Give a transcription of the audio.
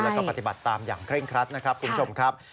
แล้วก็ปฏิบัติตามอย่างเคร่งครัดนะครับคุณผู้ชมครับ